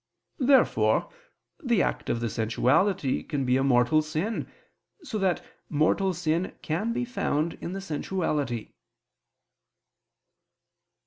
Therefore the act of the sensuality can be a mortal sin, so that mortal sin can be found in the sensuality.